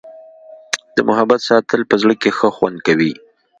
د محبت ساتل په زړه کي ښه خوند کوي.